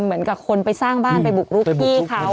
เหมือนกับคนไปสร้างบ้านไปบุกรุกพี่เขา